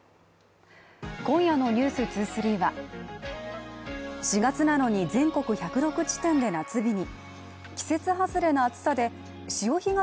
今夜の「ｎｅｗｓ２３」は４月なのに全国１０６地点で夏日に。